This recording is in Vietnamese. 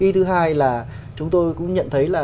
ý thứ hai là chúng tôi cũng nhận thấy là